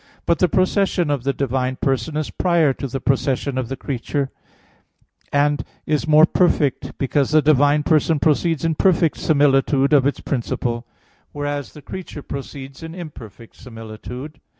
But the procession of the divine Person is prior to the procession of the creature: and is more perfect, because the divine Person proceeds in perfect similitude of its principle; whereas the creature proceeds in imperfect similitude.